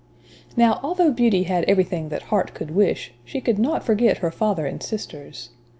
Now, although Beauty had everything that heart could wish, she could not forget her father and sisters.